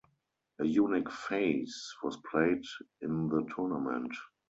A unique phase was played in the tournament.